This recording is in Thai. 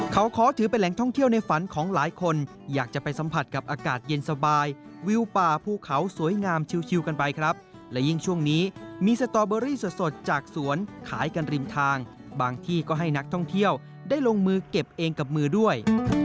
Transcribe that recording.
เขาขอถือเป็นแหล่งท่องเที่ยวในฝันของหลายคนอยากจะไปสัมผัสกับอากาศเย็นสบายวิวป่าภูเขาสวยงามชิวกันไปครับและยิ่งช่วงนี้มีสตอเบอรี่สดจากสวนขายกันริมทางบางที่ก็ให้นักท่องเที่ยวได้ลงมือเก็บเองกับมือด้วย